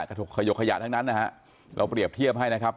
ขยกขยะทั้งนั้นนะฮะเราเปรียบเทียบให้นะครับ